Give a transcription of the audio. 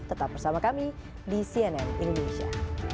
tetap bersama kami di cnn indonesia